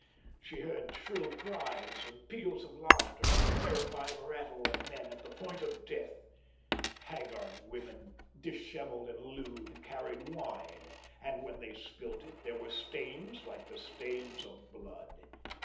She heard shrill cries and peals of laughter and the terrifying rattle of men at the point of death. Haggard women, dishevelled and lewd, carried wine; and when they spilt it there were stains like the stains of blood.